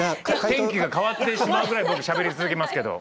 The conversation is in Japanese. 天気が変わってしまうぐらい僕しゃべり続けますけど。